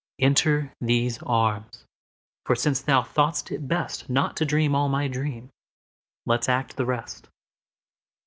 Enter these arms, for since thou thought'st it bestNot to dream all my dream, let's act the rest.